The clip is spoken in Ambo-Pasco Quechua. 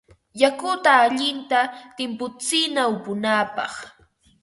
Yakuta allinta timputsina upunapaq.